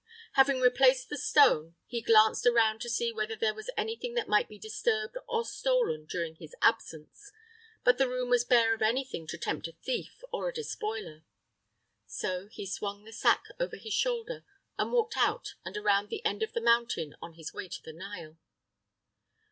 Having replaced the stone, he glanced around to see whether there was anything that might be disturbed or stolen during his absence; but the room was bare of anything to tempt a thief or a despoiler. So he swung the sack over his shoulder and walked out and around the end of the mountain on his way to the Nile.